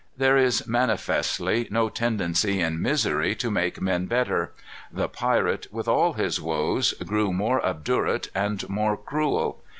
There is manifestly no tendency in misery to make men better. The pirate, with all his woes, grew more obdurate and more cruel.